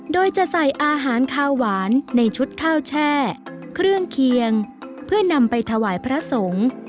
โดยจะใส่อาหารข้าวหวานในชุดข้าวแช่เครื่องเคียงเพื่อนำไปถวายพระสงฆ์